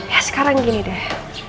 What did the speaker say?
ya sekarang gini deh